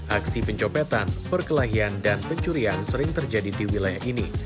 aksi pencopetan perkelahian dan pencurian sering terjadi di wilayah ini